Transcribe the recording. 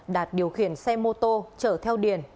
đạt điều khiển xe mô tô chở theo điền